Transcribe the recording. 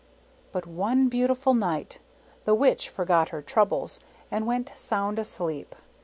But one beautiful night the Witch forgot her troubles, and went sound asleep.